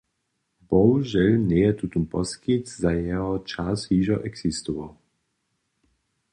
Bohužel njeje tutón poskitk za jeho čas hišće eksistował.